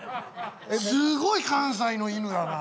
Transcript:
すごい関西の犬だな。